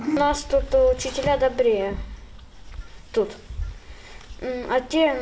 karena guru saya lebih baik di sini